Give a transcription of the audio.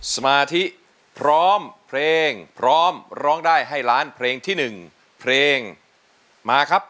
สมาธิพร้อมเพลงพร้อมร้องได้ให้ล้านเพลงที่๑เพลงมาครับ